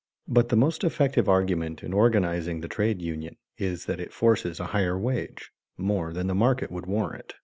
But the most effective argument in organizing the trade union is that it forces a higher wage, more than the market would warrant.